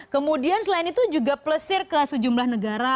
kemudian selain itu juga plesir ke sejumlah negara